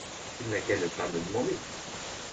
Il n’a qu’à ne pas me le demander.